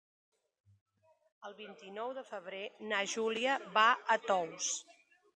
El vint-i-nou de febrer na Júlia va a Tous.